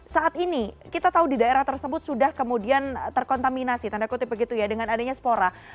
saat ini kita tahu di daerah tersebut sudah kemudian terkontaminasi tanda kutip begitu ya dengan adanya spora